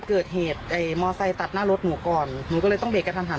เกิดเหตุไอ้มอไซค์ตัดหน้ารถหนูก่อนหนูก็เลยต้องเบรกกันทันหัน